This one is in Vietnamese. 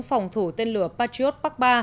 phòng thủ tên lửa patriot pak ba